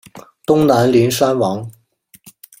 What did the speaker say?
东南邻山王。